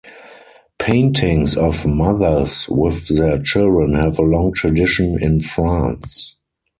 Paintings of mothers with their children have a long tradition in France.